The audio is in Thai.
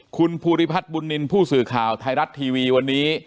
คุณภูริพัฒน์บุญนินทร์ผู้สื่อข่าวไทยรัฐทีวีวันนี้